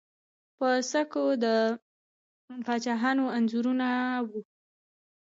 په سکو د پاچاهانو انځورونه وو